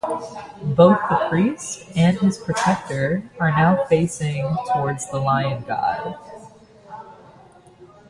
Both the priest and his protector are facing towards the lion-god.